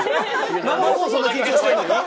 生放送は緊張してるのに！